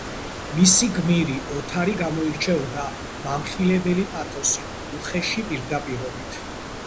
მისი გმირი, ოთარი გამოირჩეოდა მამხილებელი პათოსით, უხეში პირდაპირობით.